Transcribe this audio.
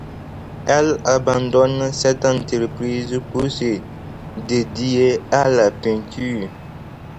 Elle abandonne cette entreprise pour se dédier à la peinture.